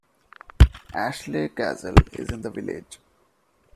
Ashley Castle is in the village.